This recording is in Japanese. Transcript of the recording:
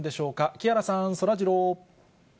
木原さん、そらジロー。